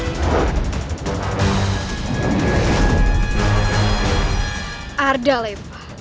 aku akan mengunggurkan ibumu sendiri